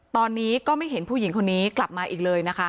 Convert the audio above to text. ตอนนี้ก็ไม่เห็นผู้หญิงคนนี้กลับมาอีกเลยนะคะ